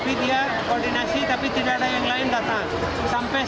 tapi dia koordinasi tapi tidak ada yang lain datang